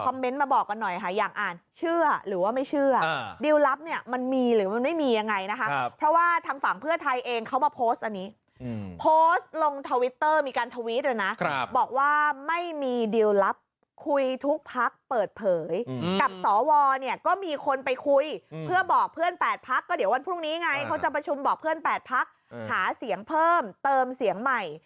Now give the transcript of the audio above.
มันมีหรือไม่มียังไงนะครับเพราะว่าทางฝั่งเพื่อไทยเองเขามาโพสต์อันนี้โพสต์ลงทาวิทเตอร์มีการทาวิทด้วยนะครับบอกว่าไม่มีดิวลับคุยทุกพักเปิดเผยกับสวเนี่ยก็มีคนไปคุยเพื่อบอกเพื่อนแปดพักก็เดี๋ยววันพรุ่งน